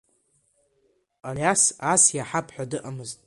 Алиас ас иаҳап ҳәа дыҟамызт.